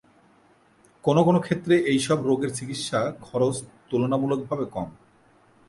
কোনও কোনও ক্ষেত্রে এইসব রোগের চিকিৎসার খরচ তুলনামূলকভাবে কম।